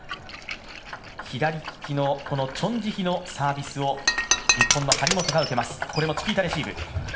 左利きのチョン・ジヒのサービスを日本の張本が受けます。